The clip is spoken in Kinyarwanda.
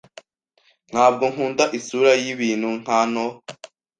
Ntabwo nkunda isura yibintu hano